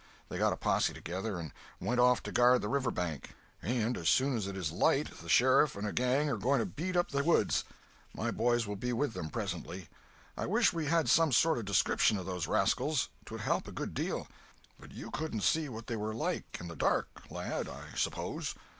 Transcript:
They got a posse together, and went off to guard the river bank, and as soon as it is light the sheriff and a gang are going to beat up the woods. My boys will be with them presently. I wish we had some sort of description of those rascals—'twould help a good deal. But you couldn't see what they were like, in the dark, lad, I suppose?"